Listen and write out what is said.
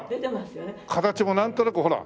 形もなんとなくほら。